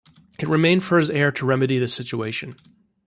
It remained for his heir to remedy the situation.